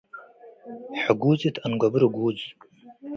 . ሕጉዝ እት አንገቡ ርጉዝ፣